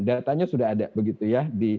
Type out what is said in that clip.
datanya sudah ada begitu ya